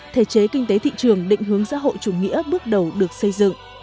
thể chế kinh tế thị trường định hướng xã hội chủ nghĩa bước đầu được xây dựng